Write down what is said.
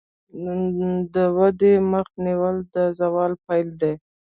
د ودې مخه نیول د زوال پیل دی.